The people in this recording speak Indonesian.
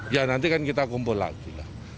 ya nanti kan kita kumpul lagi lah